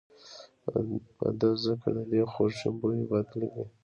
په ده ځکه ددې غوښې بوی بد لګي.